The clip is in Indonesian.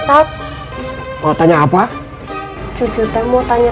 wolverine tidak baru dia mencubanya pandai saja dan akhirnya ia sudah memiliki anak